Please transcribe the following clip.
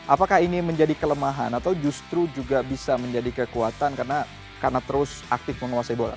apakah ini menjadi kelemahan atau justru juga bisa menjadi kekuatan karena terus aktif menguasai bola